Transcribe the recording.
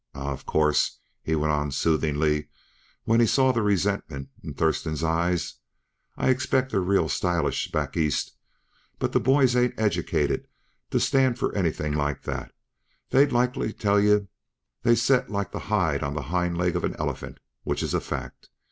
Uh course," he went on soothingly when he saw the resentment in Thurston's eyes, "I expect they're real stylish back East but the boys ain't educated to stand for anything like that; they'd likely tell yuh they set like the hide on the hind legs of an elephant which is a fact.